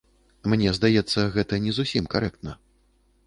Мне здаецца, гэта не зусім карэктна.